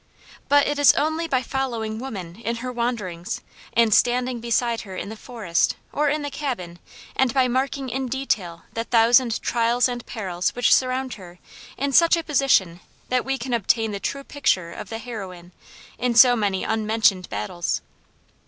But it is only by following woman in her wanderings and standing beside her in the forest or in the cabin and by marking in detail the thousand trials and perils which surround her in such a position that we can obtain the true picture of the heroine in so many unmentioned battles.